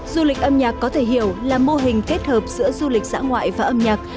du lịch âm nhạc có thể hiểu là mô hình kết hợp giữa du lịch xã ngoại và âm nhạc